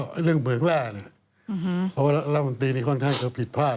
เพราะว่าเรื่องปัญหานี้ค่อนข้างจะผิดพลาด